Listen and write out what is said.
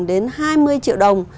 đến hai mươi triệu đồng